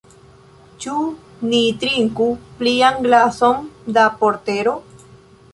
Ĉu ni trinku plian glason da portero?